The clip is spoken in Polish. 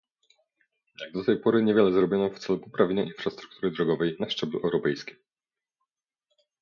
Jak do tej pory niewiele zrobiono w celu poprawienia infrastruktury drogowej na szczeblu europejskim